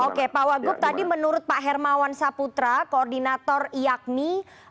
oke pak wagub tadi menurut pak hermawan saputra koordinator iakmi